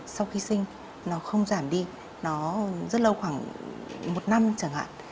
sau khi sinh nó không giảm đi nó rất lâu khoảng một năm chẳng hạn